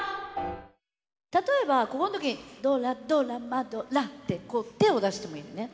例えばこの時に「ドラドラマドラ！」ってこう手を出してもいいのね。